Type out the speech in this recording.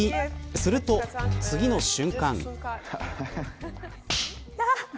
すると、次の瞬間。